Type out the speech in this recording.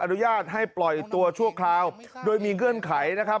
อนุญาตให้ปล่อยตัวชั่วคราวโดยมีเงื่อนไขนะครับ